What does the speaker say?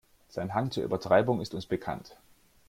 Sein Hang zur Übertreibung ist uns bekannt.